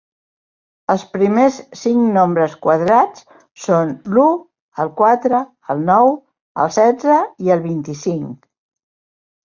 Els primers cinc nombres quadrats són l'u, el quatre, el nou, el setze i el vint-i-cinc.